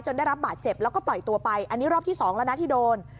ได้รับบาดเจ็บแล้วก็ปล่อยตัวไปอันนี้รอบที่สองแล้วนะที่โดน